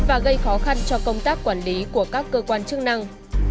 và gây khó khăn cho công tác quản lý của các cơ quan chức năng